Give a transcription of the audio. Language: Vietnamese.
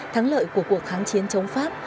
thắng lợi của cuộc kháng chiến chống pháp